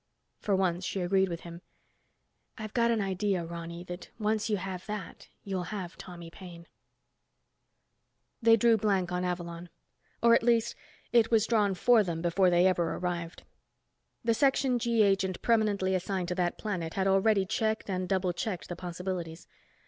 For once she agreed with him. "I've got an idea, Ronny, that once you have that, you'll have Tommy Paine." They drew blank on Avalon. Or, at least, it was drawn for them before they ever arrived. The Section G agent permanently assigned to that planet had already checked and double checked the possibilities.